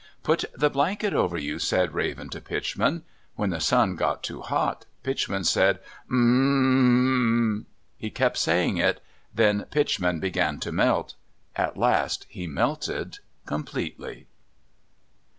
"Put the blanket over you," said Raven to Pitchman. When the sun got too hot, Pitchman said, "Ummmm!" He kept saying it. Then Pitchman began to melt. At last he melted completely.